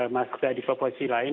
masuk dari provinsi lain